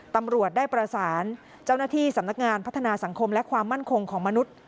ตำรวจได้ประสานเจ้าหน้าที่สำนักงานพัฒนาสังคมและความมั่นคงของมนุษย์